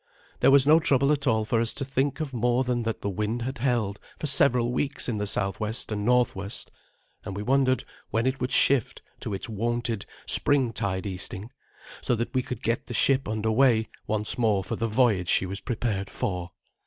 There was no trouble at all for us to think of more than that the wind had held for several weeks in the southwest and northwest, and we wondered when it would shift to its wonted springtide easting, so that we could get the ship under way once more for the voyage she was prepared for.